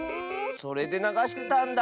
それでながしてたんだ。